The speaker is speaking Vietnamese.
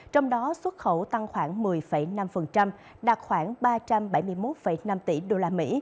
trong đó xuất khẩu tăng khoảng một mươi năm đạt khoảng ba trăm bảy mươi một năm tỷ usd